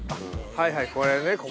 はいはいこれね